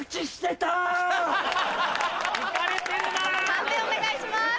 判定お願いします。